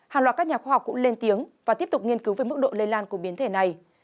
hàng loạt các nhà khoa học cũng lên tiếng và tiếp tục nghiên cứu về mức độ lây lan của biến thể này